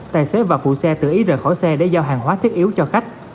tài xế và phụ xe tự ý rời khỏi xe để giao hàng hóa thiết yếu cho khách